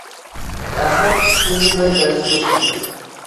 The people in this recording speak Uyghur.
ئەخمەت ئىككى كۈندىن بېرى دەرسكىمۇ چىقمىدى.